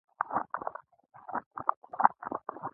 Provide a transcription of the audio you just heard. توت مخ مه اوسئ